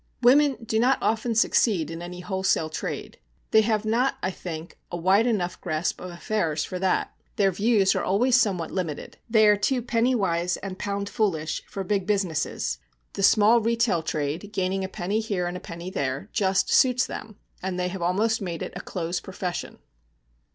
Women do not often succeed in any wholesale trade. They have not, I think, a wide enough grasp of affairs for that. Their views are always somewhat limited; they are too pennywise and pound foolish for big businesses. The small retail trade, gaining a penny here and a penny there, just suits them, and they have almost made it a close profession.